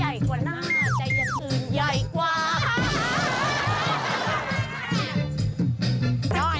ให้ใหญ่กว่าหน้าแต่ยังคืนใหญ่กว่า